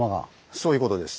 そういうことです。